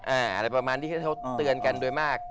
อะไรประมาณที่เขาเตือนกันโดยมาก